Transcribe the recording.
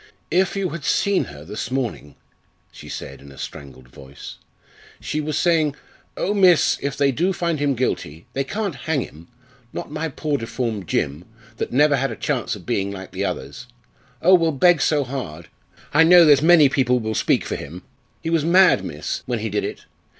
"If you had seen her this morning!" she said in a strangled voice. "She was saying, 'Oh, miss, if they do find him guilty, they can't hang him not my poor deformed Jim, that never had a chance of being like the others. Oh, we'll beg so hard. I know there's many people will speak for him. He was mad, miss, when he did it.